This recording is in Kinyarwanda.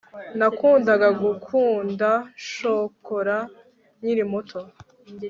nakundaga gukunda shokora nkiri muto